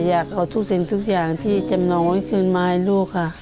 อยากเอาทุกสิ่งทุกอย่างที่จำนองไว้คืนมาให้ลูกค่ะ